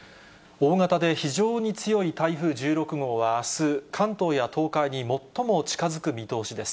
大型で非常に強い台風１６号はあす、関東や東海に最も近づく見通しです。